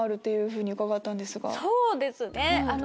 そうですね。